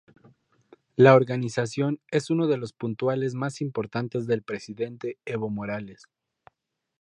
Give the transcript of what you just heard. La organización es uno de los puntuales más importantes del Presidente Evo Morales.